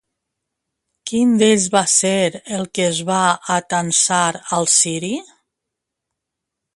Quin d'ells va ser el que es va atansar al ciri?